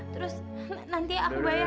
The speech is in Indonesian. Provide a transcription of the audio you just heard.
terus nanti aku bayar